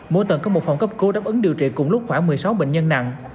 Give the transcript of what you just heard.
mỗi tầng có một phòng cấp cứu đáp ứng điều trị cùng lúc khoảng một mươi sáu bệnh nhân nặng